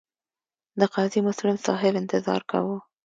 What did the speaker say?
د قاضي مسلم صاحب انتظار کاوه.